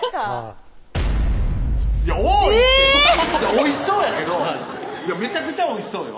おいしそうやけどめちゃくちゃおいしそうよ